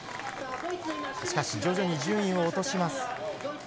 しかし、徐々に順位を落とします。